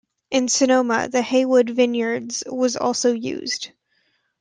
In Sonoma, the Haywood Vineyards was also used.